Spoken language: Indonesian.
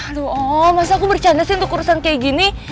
aduh masa aku bercanda sih untuk urusan kayak gini